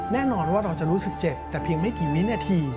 แน่นอนว่าเราจะรู้สึกเจ็บแต่เพียงไม่กี่วินาที